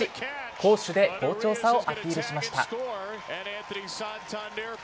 攻守で好調さをアピールしました。